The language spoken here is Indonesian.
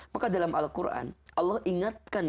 maka dalam al quran allah ingatkan